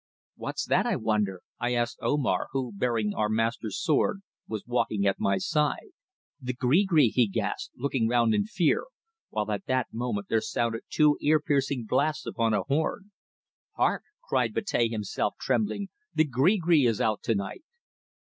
"What's that, I wonder?" I asked Omar, who, bearing our master's sword, was walking at my side. "The gree gree!" he gasped, looking round in fear, while at that moment there sounded two ear piercing blasts upon a horn. "Hark!" cried Betea himself, trembling. "The gree gree is out to night!"